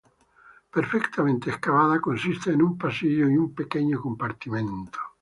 Perfectamente excavada, consiste en un pasillo y un pequeño compartimento.